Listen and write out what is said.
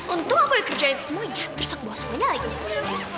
untung aku dikerjain semuanya terus aku bawa semuanya lagi